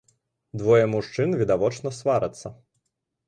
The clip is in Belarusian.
Двое мужчын, відавочна, сварацца.